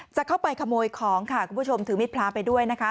จะเข้าไปขโมยของค่ะคุณผู้ชมถือมิดพระไปด้วยนะคะ